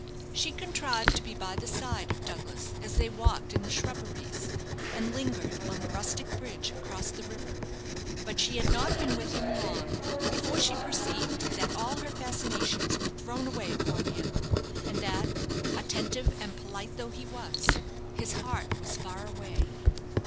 She contrived to be by the side of Douglas as they walked in the shrubberies, and lingered on the rustic bridge across the river; but she had not been with him long before she perceived that all her fascinations were thrown away upon him; and that, attentive and polite though he was, his heart was far away.